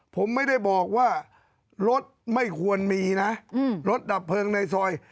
ผมไม่ได้บอกว่ารถไม่ควรมีนะรถดับเพลิงในซอย